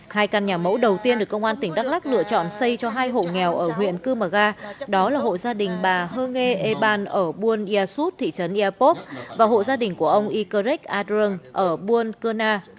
hai căn nhà mẫu đầu tiên được công an tỉnh đắk lắc lựa chọn xây cho hai hộ nghèo ở huyện cư mở ga đó là hộ gia đình bà hơ nghê ê ban ở buôn ia sút thị trấn ia pop và hộ gia đình của ông ikerek adrung ở buôn cơ na